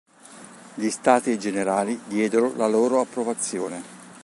Gli Stati Generali diedero la loro approvazione.